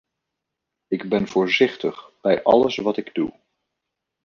Ik ben voorzichtig bij alles wat ik doe.